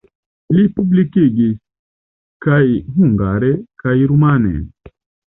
Li publikigis kaj hungare kaj rumane.